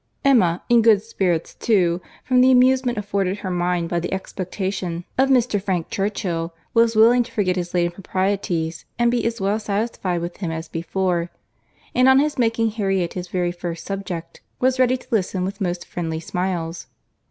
Emma, in good spirits too, from the amusement afforded her mind by the expectation of Mr. Frank Churchill, was willing to forget his late improprieties, and be as well satisfied with him as before, and on his making Harriet his very first subject, was ready to listen with most friendly smiles.